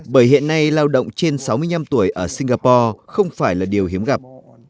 bởi hiện nay lao động trên sáu mươi năm tuổi ở singapore không phải là điều hiếm gặp